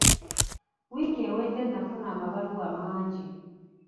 Wiiki ewedde nafuna amabaluwa mangi.